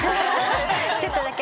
ちょっとだけ？